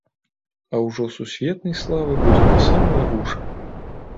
А ўжо сусветнай славы будзе па самыя вушы.